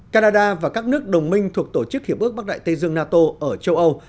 canada và các nước đồng minh thuộc tổ chức hiệp ước bắc đại tây dương nato ở châu âu